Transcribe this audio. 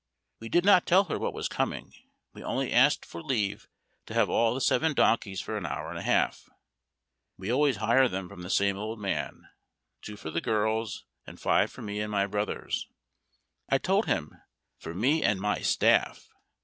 We did not tell her what was coming, we only asked for leave to have all the seven donkeys for an hour and a half; (We always hire them from the same old man) two for the girls, and five for me and my brothers I told him, "for me and my Staff."